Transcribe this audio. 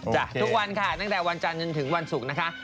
ทุกวันค่ะตั้งแต่วันจันทร์จนถึงวันศุกร์นะคะ